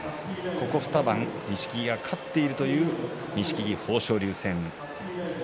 ここ２番錦木が勝っているという錦木、豊昇龍戦。